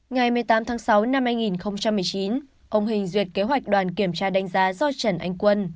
ngày một mươi tám tháng sáu năm hai nghìn một mươi chín ông huỳnh duyệt kế hoạch đoàn kiểm tra đánh giá do trần anh quân